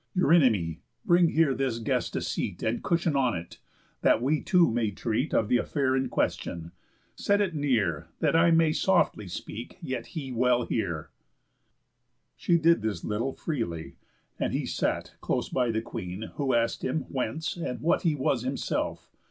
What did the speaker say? _ Eurynomé, bring here this guest a seat, And cushion on it, that we two may treat Of the affair in question. Set it near, That I may softly speak, yet he well hear." She did this little freely; and he sat Close by the Queen, who ask'd him, Whence, and what He was himself?